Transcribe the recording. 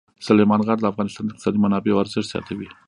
سلیمان غر د افغانستان د اقتصادي منابعو ارزښت زیاتوي.